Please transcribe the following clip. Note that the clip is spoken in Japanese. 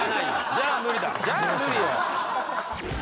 じゃあ無理よ。